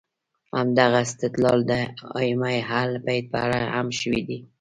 همدغه استدلال د ائمه اهل بیت په اړه هم شوی دی.